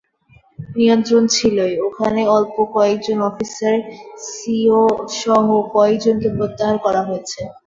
নিয়ন্ত্রণ ছিলই, ওখানে অল্প কয়েকজন অফিসার, সিওসহ কয়েকজনকে প্রত্যাহার করা হয়েছে।